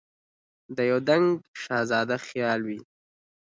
د یو دنګ شهزاده خیال وي